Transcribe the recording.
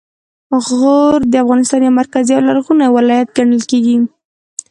غور د افغانستان یو مرکزي او لرغونی ولایت ګڼل کیږي